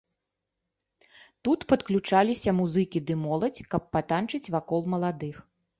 Тут падключаліся музыкі ды моладзь, каб патанчыць вакол маладых.